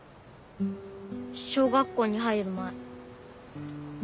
小学校に入る前。